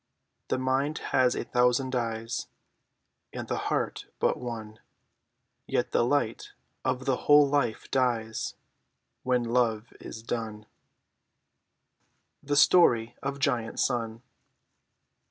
The mind has a thousand eyes, And the heart but one; Yet the light of the whole life dies When love is done. F. W. Bourdillon. THE STORY OF GIANT SUN.